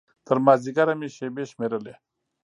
تر مازديګره مې شېبې شمېرلې.